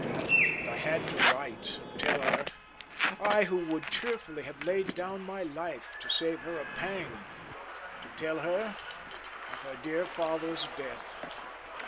And I had to write and tell her I, who would cheerfully have laid down my life to save her a pang to tell her of her dear father's death.